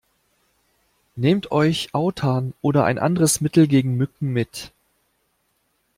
Nehmt euch Autan oder ein anderes Mittel gegen Mücken mit.